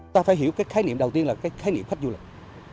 ta phải hiểu cái khái niệm đầu tiên là cái khái niệm khách du lịch